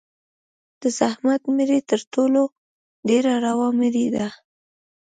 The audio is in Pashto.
د زحمت مړۍ تر ټولو ډېره روا مړۍ ده.